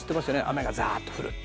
雨がザッと降る。